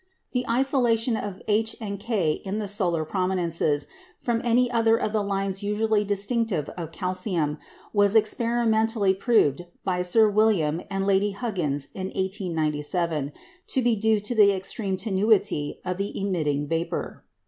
The isolation of H and K in solar prominences from any other of the lines usually distinctive of calcium was experimentally proved by Sir William and Lady Huggins in 1897 to be due to the extreme tenuity of the emitting vapour.